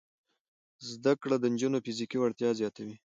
زده کړه د نجونو فزیکي وړتیا زیاتوي.